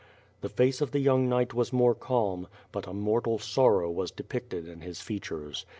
The face of the young knight was more calm, but a mortal sorrow was depicted in his features.